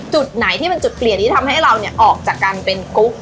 จุดไหนที่เป็นจุดเปลี่ยนที่ทำให้เราออกจากการเป็นกุ๊ก